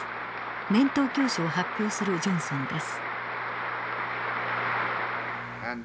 年頭教書を発表するジョンソンです。